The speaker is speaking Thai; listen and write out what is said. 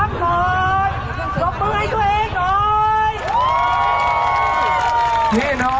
ขอบคุณให้ตัวเองนะครับ